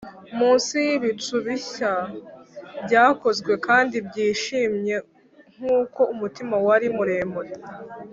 munsi yibicu bishya byakozwe kandi byishimye nkuko umutima wari muremure,